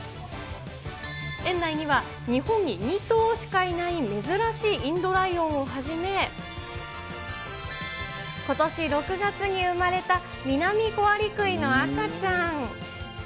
園内には日本に２頭しかいない珍しいインドライオンをはじめ、ことし６月に生まれたミナミコアリクイの赤ちゃん。